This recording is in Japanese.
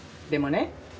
でもね